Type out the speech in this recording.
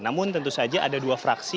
namun tentu saja ada dua fraksi